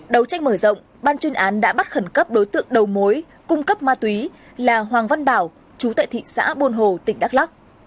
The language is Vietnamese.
đầu tranh mở rộng ban chuyên án đã bắt khẩn cấp đối tượng đầu mối cung cấp ma túy là hoàng văn bảo chú tại thị xã buôn hồ tỉnh đắk lắc